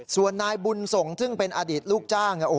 ส่วนนายบุญส่งซึ่งเป็นอดีตลูกจ้าง